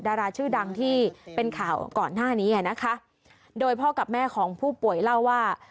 ดาราชื่อดังที่เป็นข่าวก่อนหน้านี้อ่ะนะคะโดยพ่อกับแม่ของผู้ป่วยเล่าว่า